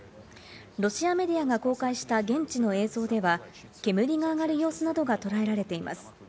ロシアメディアが公開した現地の映像では煙が上がる様子などが捉えられています。